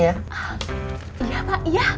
iya pak iya